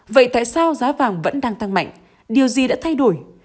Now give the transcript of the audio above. vậy tại sao giá vàng vẫn đang tăng mạnh điều gì đã thay đổi